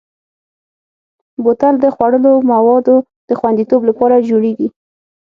بوتل د خوړلو موادو د خوندیتوب لپاره جوړېږي.